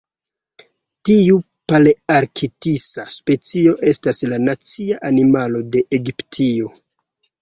Tiu palearktisa specio estas la nacia animalo de Egiptio.